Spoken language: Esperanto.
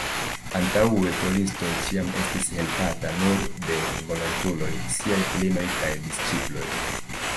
Antaŭe Tolstoj ĉiam estis helpata nur de volontuloj, siaj filinoj kaj «disĉiploj».